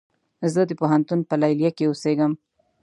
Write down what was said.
زه د پوهنتون په ليليه کې اوسيږم